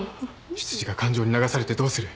執事が感情に流されてどうする。